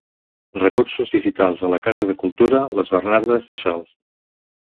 Recursos digitals a la Casa de Cultura les Bernardes de Salt.